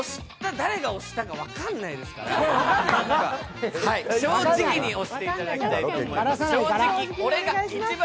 誰が押したか分からないですから正直に押していただきたいと思います。